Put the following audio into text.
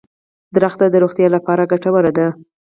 • ونه د روغتیا لپاره ګټوره ده.